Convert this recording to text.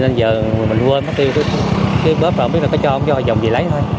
nên giờ mình quên mất tiêu cứ bóp vào không biết là có cho không cho dòng gì lấy thôi